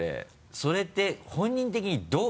それって本人的にどう？